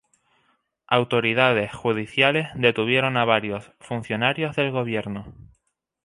Autoridades judiciales detuvieron a varios funcionarios del gobierno.